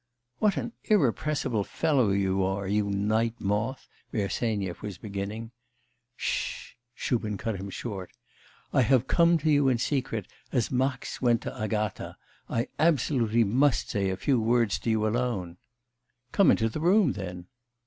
'What an irrepressible fellow you are, you night moth ' Bersenyev was beginning. 'Sh ' Shubin cut him short; 'I have come to you in secret, as Max went to Agatha I absolutely must say a few words to you alone.' 'Come into the room then.